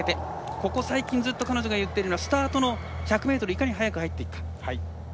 ここ最近ずっと彼女が言っているのはスタートの１００ｍいかに早く入っていくか。